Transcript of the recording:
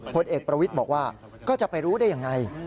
ผลเอกประวิทย์บอกว่าก็จะไปรู้ได้ยังไง